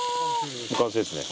もう完成ですね。